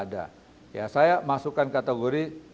ada saya masukkan kategori